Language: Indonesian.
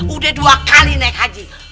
udah dua kali naik haji